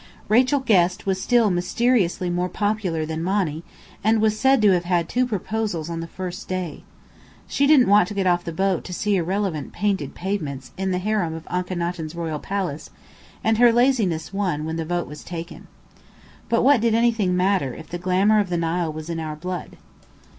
Rachel Guest was still mysteriously more popular than Monny, and was said to have had two proposals on the first day. She didn't want to get off the boat to see irrelevant painted pavements, in the harem of Aknaton's royal palace, and her laziness won, when the vote was taken. But what did anything matter, if the glamour of the Nile was in our blood?